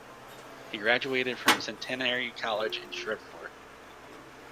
He graduated from Centenary College in Shreveport.